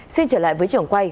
xin trở lại với trưởng quay